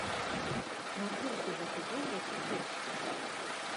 Наколькі гэта добра ці кепска?